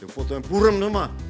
foto yang burem nih mah